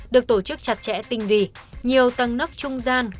được tổ chức chặt chẽ tinh vì nhiều tăng nốc trung gian